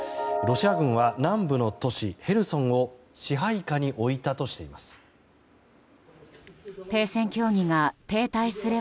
ロシア軍は南部の都市ヘルソンを支配下に置いたとしています。